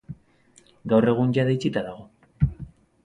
Gaur egun jada itxia dago.